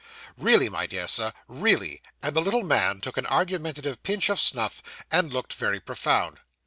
Really, my dear Sir, really;' and the little man took an argumentative pinch of snuff, and looked very profound.